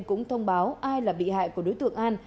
cũng thông báo ai là bị hại của đối tượng an